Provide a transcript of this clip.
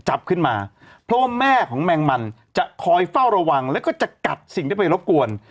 จับขึ้นมาเพราะว่าแม่ของแมงมันจะคอยเฝ้าระวังแล้วก็จะกัดสิ่งที่ไปรบกวน